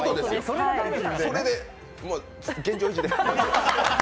それで現状維持で。